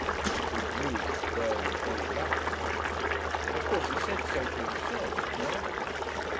And he knew that the girl was very lovely. Of course he said so to himself and to others.